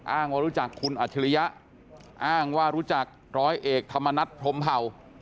ว่ารู้จักคุณอัจฉริยะอ้างว่ารู้จักร้อยเอกธรรมนัฐพรมเผ่า